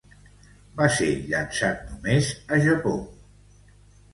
Va ser llançat només a Japó.